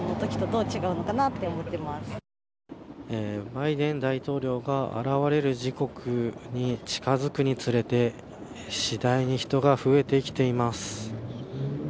バイデン大統領が現れる時刻に近づくにつれて次第に人が増えてきています。